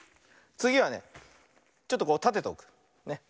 つぎはねちょっとたてておく。ね。